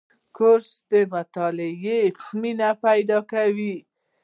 کورس د مطالعې مینه پیدا کوي.